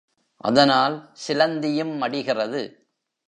அதனால் சிலந்தியும் மடிகிறது.